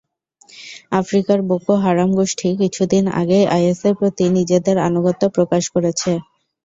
আফ্রিকার Boko Haram গোষ্ঠী কিছুদিন আগেই আইএসের প্রতি নিজেদের আনুগত্য প্রকাশ করেছে।